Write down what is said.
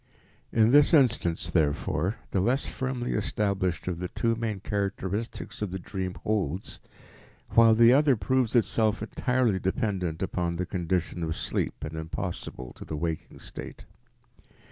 In this instance, therefore, the less firmly established of the two main characteristics of the dream holds, while the other proves itself entirely dependent upon the condition of sleep and impossible to the waking state.